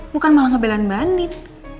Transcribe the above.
bukan malah ngebelan mbak anit